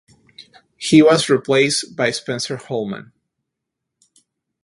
He was replaced by Spencer Hollman.